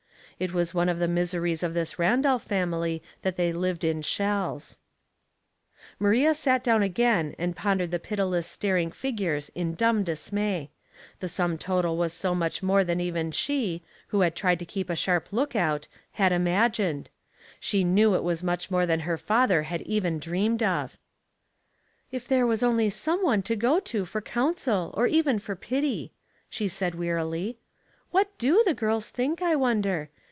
It was one of the mis eries of this Randolph family that they lived in shells. 106 SouseJiold Puzzles, Maria sat down again and pondered the pitilesa staring figures in dumb dismay ; the sum total was so much more than even she, who had tried to keep a sharp lookout, had imagined. She knew it was much more than her father had even dreamed of. " If there was only some one to go to for counsel or even for pity," she said, wearily. What do the girls think, I wonder